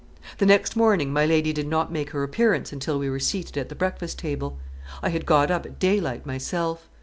The next morning my lady did not make her appearance until we were seated at the breakfast table. I had got up at daylight myself.